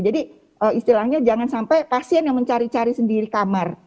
jadi istilahnya jangan sampai pasien yang mencari cari sendiri kamar